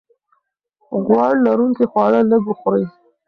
غوړ لرونکي خواړه لږ وخورئ.